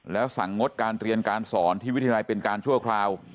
แล้วสั่งงดการเรียนการสอนที่วิทยาลัยเป็นการชั่วคราว